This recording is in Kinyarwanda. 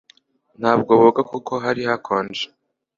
ntabwo boga kuko hari hakonje